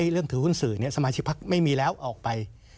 เรื่องถือหุ้นสื่อสมาชิกพักไม่มีแล้วออกไป